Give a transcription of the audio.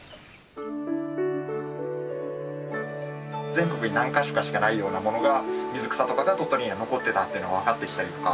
全国に何か所かしかないようなものが水草とかが鳥取には残ってたというのが分かってきたりとか。